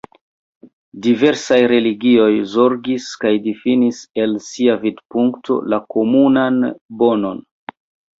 Diversaj religioj zorgis kaj difinis, el sia vidpunkto, la komunan bonon.